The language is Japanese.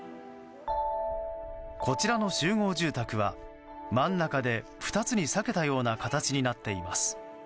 こちらの集合住宅は真ん中で２つに裂けたような形になっています。